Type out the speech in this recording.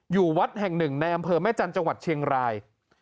วัดแห่งหนึ่งในอำเภอแม่จันทร์จังหวัดเชียงราย